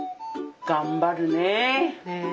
頑張るねえ。